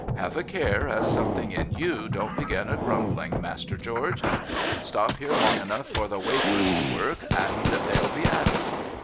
Have a care as something in you don't begin a grumbling. Master George. Stop here long enough for the wapours to work, and they'll be at it.'